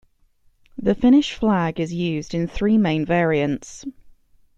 The Finnish flag is used in three main variants.